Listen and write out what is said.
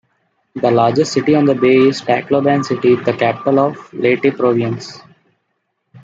The largest city on the bay is Tacloban City, the capital of Leyte province.